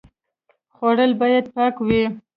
خوړل باید پاک وي